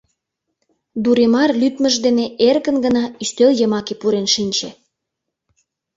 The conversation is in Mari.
Дуремар лӱдмыж дене эркын гына ӱстел йымаке пурен шинче.